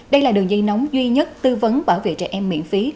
đây là đường dây nóng duy nhất tư vấn bảo vệ trẻ em miễn phí